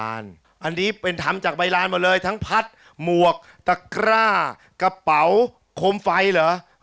อันนี้เป็นทำจากใบลานมาเลยทั้งพัดหมวกตะกร้ากระเป๋าคมไฟเหรอ